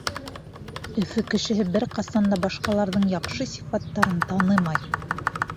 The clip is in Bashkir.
Өфө кешеһе бер ҡасан да башҡаларҙың яҡшы сифаттарын танымай.